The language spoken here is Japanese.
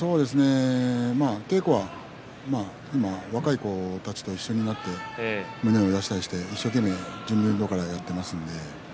稽古は今若い子たちと一緒になって胸を出したりして一生懸命、準備運動からやっていますね。